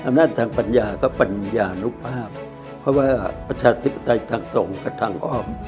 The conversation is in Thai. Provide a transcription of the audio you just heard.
ด้านทางปัญญาก็ปัญญานุภาพเพราะว่าประชาธิปไตยทางส่งกับทางอ้อม